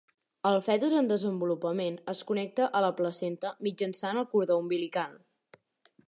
El fetus en desenvolupament es connecta a la placenta mitjançant el cordó umbilical.